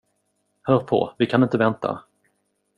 Hör på, vi kan inte vänta.